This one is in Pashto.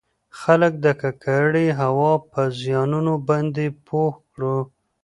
خلــک د ککـړې هـوا پـه زيـانونو بانـدې پـوه کـړو٫